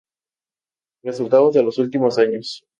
Resultados de los últimos años.